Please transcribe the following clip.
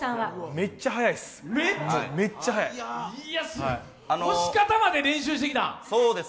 めっちゃ早いです。